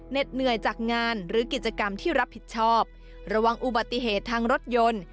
เหนื่อยจากงานหรือกิจกรรมที่รับผิดชอบระวังอุบัติเหตุทางรถยนต์